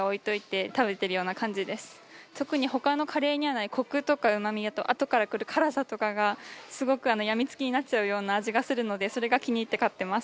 特に他のカレーにはないコクとかうまみあとあとからくる辛さとかがすごく病み付きになっちゃうような味がするのでそれが気に入って買ってます。